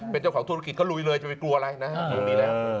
เป็นเจ้าของธุรกิจก็ลุยเลยจะไปกลัวอะไรนะฮะตรงนี้แล้ว